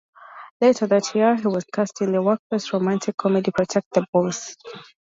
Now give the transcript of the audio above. Later that year, he was cast in the workplace romantic comedy "Protect the Boss".